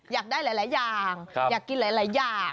อยากได้หลายอย่างอยากกินหลายอย่าง